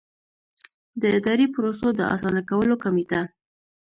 د اداري پروسو د اسانه کولو کمېټه.